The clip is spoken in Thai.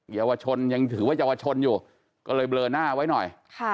เยาวชนยังถือว่าเยาวชนอยู่ก็เลยเบลอหน้าไว้หน่อย